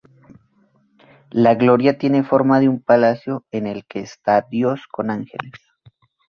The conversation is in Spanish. La "Gloria" tiene forma de un palacio en el que está Dios con ángeles.